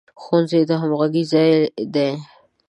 ښوونځی د همغږۍ ځای دی